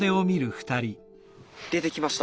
出てきました。